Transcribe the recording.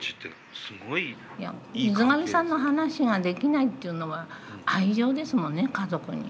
いやミズカミさんの話ができないっていうのは愛情ですもんね家族に。